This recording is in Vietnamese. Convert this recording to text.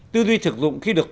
tư duy thực dụng khi được